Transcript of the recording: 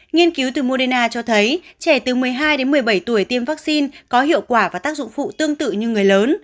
nghiên cứu từ moderna cho thấy trẻ từ một mươi hai đến một mươi bảy tuổi tiêm vaccine có hiệu quả và tác dụng phụ tương tự như người lớn